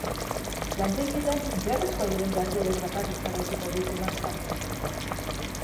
Lantegietan beharrezkoak diren jarduerek bakarraik jarraituko dute martxan.